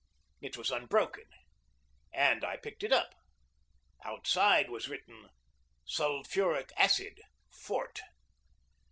It was unbroken, and I picked it up. Outside was written "Sulphuric Acid. Fort."